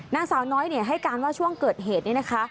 นางสาวน้อยให้การว่าช่วงเกิดเหตุนี้นะคะ